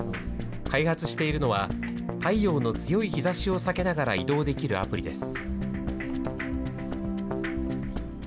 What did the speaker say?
開発しているのは、太陽の強い日ざしを避けながら移動できるアプリです。